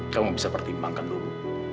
kamu bisa pertimbangkan dulu